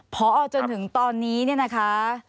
พอจนถึงตอนนี้เนี่ยนะคะ